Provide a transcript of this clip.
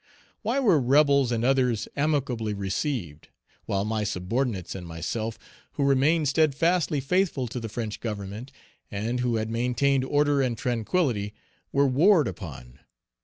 Why were rebels and others amicably received, while my subordinates and myself, who remained steadfastly faithful to the French Government, and who had maintained order and tranquillity, were warred upon?